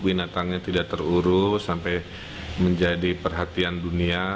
binatangnya tidak terurus sampai menjadi perhatian dunia